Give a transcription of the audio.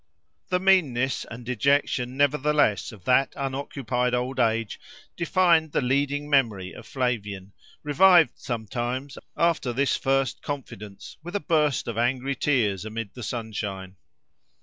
The meanness and dejection, nevertheless, of that unoccupied old age defined the leading memory of Flavian, revived sometimes, after this first confidence, with a burst of angry tears amid the sunshine.